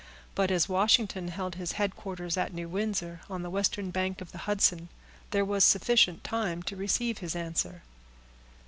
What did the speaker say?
But, as Washington held his headquarters at New Windsor, on the western bank of the Hudson, there was sufficient time to receive his answer.